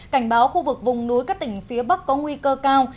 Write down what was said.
cảnh báo khu vực vùng núi các tỉnh phía bắc có nguy cơ cao